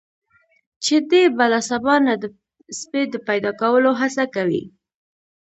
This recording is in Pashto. چې دی به له سبا نه د سپي د پیدا کولو هڅه کوي.